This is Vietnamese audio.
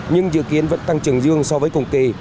nhưng dự kiến vẫn tăng trưởng dương so với cùng kỳ